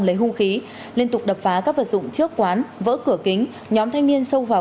lấy hung khí liên tục đập phá các vật dụng trước quán vỡ cửa kính nhóm thanh niên sâu vào